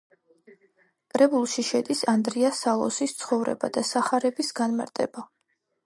კრებულში შედის ანდრია სალოსის ცხოვრება და სახარების განმარტება.